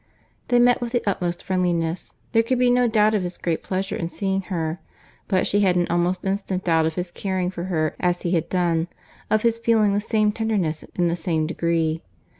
They met with the utmost friendliness. There could be no doubt of his great pleasure in seeing her. But she had an almost instant doubt of his caring for her as he had done, of his feeling the same tenderness in the same degree.